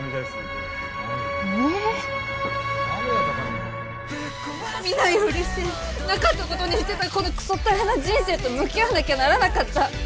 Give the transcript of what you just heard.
そうですね見ないふりしてなかったことにしてたこのくそったれな人生と向き合わなきゃならなかった。